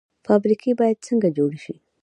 فابریکې باید څنګه جوړې شي؟